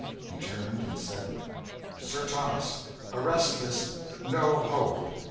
He turned and said "Sir Thomas, arrest this No, hold!"